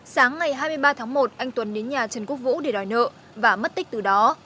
sáng ngày hai mươi ba tháng một anh tuấn đến nhà trần quốc vũ để đòi nợ và mất tích từ đó